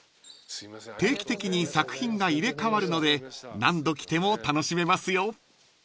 ［定期的に作品が入れ替わるので何度来ても楽しめますよ］